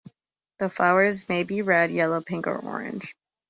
The flowers may be red, yellow, pink, or orange.